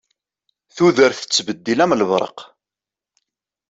Tudert tettbeddil am lberq.